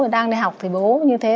đang đi học thì bố như thế